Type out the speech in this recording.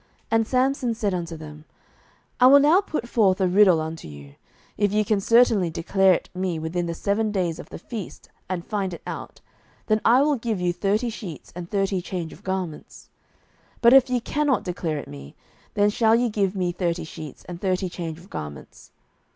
07:014:012 And Samson said unto them, I will now put forth a riddle unto you: if ye can certainly declare it me within the seven days of the feast, and find it out, then I will give you thirty sheets and thirty change of garments: 07:014:013 But if ye cannot declare it me, then shall ye give me thirty sheets and thirty change of garments.